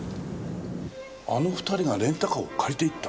あの２人がレンタカーを借りていった？